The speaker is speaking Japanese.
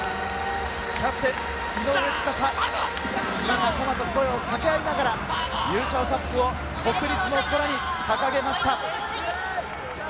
キャプテン・井上斗嵩、仲間と声を掛け合いながら優勝カップを国立の空に掲げました。